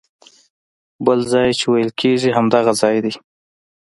بل ځای چې ویل کېږي همدغه ځای دی.